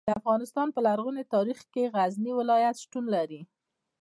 د افغانستان په لرغوني تاریخ کې د غزني ولایت شتون لري.